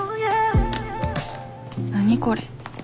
何これ。